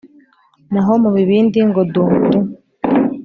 Naho mu bibindi ngo dumburi